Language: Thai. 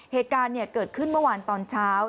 เหตุการณ์เกิดขึ้นเมื่อวานตอนเช้า